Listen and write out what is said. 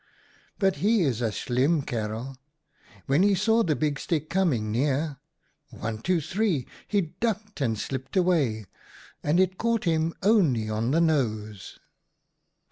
But he is a slim kerel. When he saw the big stick coming near, one, two, three, he ducked and slipped away, and it caught him only on the nose.